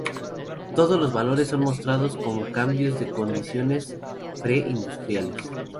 Todos los valores son mostrados como cambios de condiciones pre-industriales.